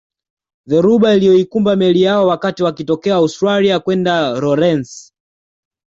Dhoruba iliyoikumba meli yao wakati wakitokea Australia kwenda Lorence